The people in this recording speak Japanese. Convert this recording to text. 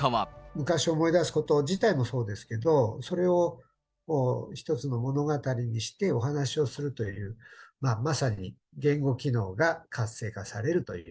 昔を思い出すこと自体もそうですけど、それを一つの物語にしてお話をするという、まさに言語機能が活性化されるという。